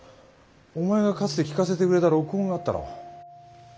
お前がかつて聞かせてくれた録音があったろ。